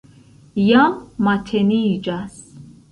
Jam mateniĝas.